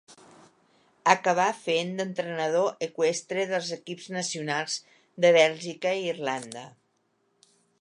Acabà fent d'entrenador eqüestre dels equips nacionals de Bèlgica i Irlanda.